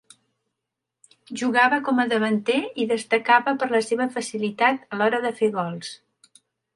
Jugava com a davanter i destacava per la seva facilitat a l'hora de fer gols.